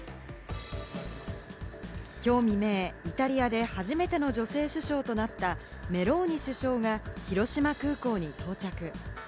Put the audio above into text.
きょう未明、イタリアで初めての女性首相となったメローニ首相が広島空港に到着。